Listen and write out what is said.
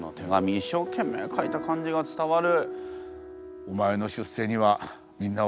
一生懸命書いた感じが伝わる。